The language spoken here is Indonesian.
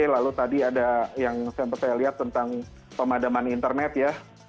lalu tadi ada yang saya lihat tentang pemadaman internet ya